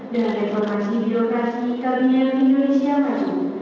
dan informasi bidokrasi kabinet indonesia maju